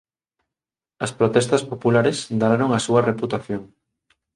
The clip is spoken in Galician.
As protestas populares danaron a súa reputación